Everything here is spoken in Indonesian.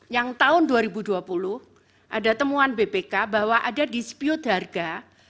yang tahun dua ribu dua puluh ada temuan bpk bahwa ada dispute harga